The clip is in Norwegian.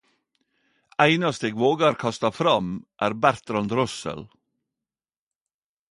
Einaste eg vågar kasta fram er Bertrand Russell.